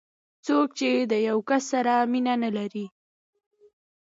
څوک چې د یو کس سره مینه نه لري.